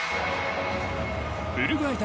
ウルグアイ対